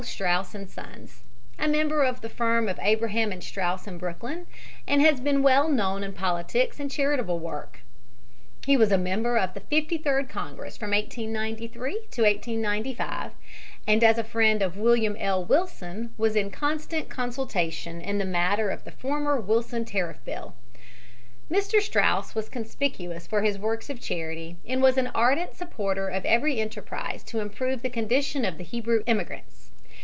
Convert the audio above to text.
Straus & Sons, a member of the firm of Abraham & Straus in Brooklyn, and has been well known in politics and charitable work. He was a member of the Fifty third Congress from 1893 to 1895, and as a friend of William L. Wilson was in constant consultation in the matter of the former Wilson tariff bill. Mr. Straus was conspicuous for his works of charity and was an ardent supporter of every enterprise to improve the condition of the Hebrew immigrants.